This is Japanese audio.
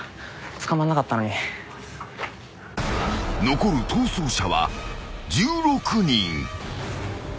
［残る逃走者は１６人］